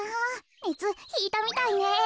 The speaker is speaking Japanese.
ねつひいたみたいね。